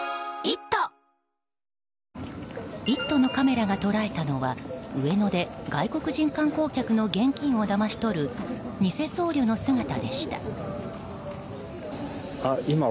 「イット！」のカメラが捉えたのは上野で外国人観光客の現金をだまし取るニセ僧侶の姿でした。